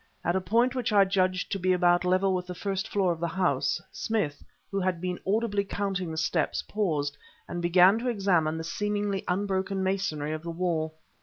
At a point which I judged to be about level with the first floor of the house, Smith who had been audibly counting the steps paused, and began to examine the seemingly unbroken masonry of the wall.